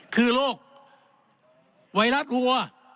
คือโรคไวรัสวัว